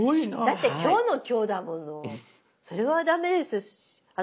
だって今日の今日だもの。それは駄目です。